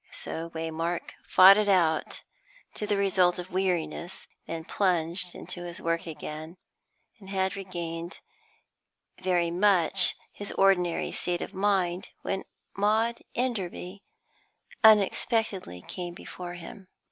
So Waymark fought it out, to the result of weariness; then plunged into his work again, and had regained very much his ordinary state of mind when Maud Enderby unexpectedly came before him.